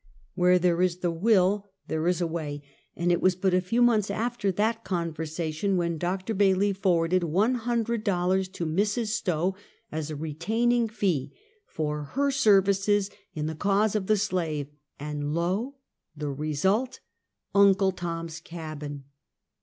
"Where there is the will there is a way, and it was but a few months after that conversation when Dr. Bailey forwarded one hundred dollars to Mrs. Stowe as a retaining fee for her ser\dces in the cause of the slave, and lo! the result, "Uncle Tom's Cabin."